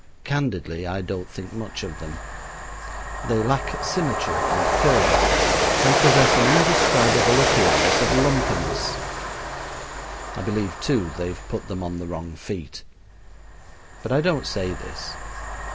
Candidly I don't think much of them. They lack symmetry and curve and possess an indescribable appearance of lumpiness (I believe, too, they've put them on the wrong feet). But I don't say this.